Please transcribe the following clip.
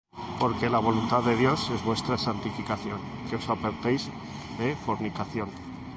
Porque la voluntad de Dios es vuestra santificación: que os apartéis de fornicación;